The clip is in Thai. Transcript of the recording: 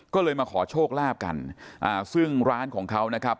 ก็เลยมาขอโชคลาภกันอ่าซึ่งร้านของเขานะครับ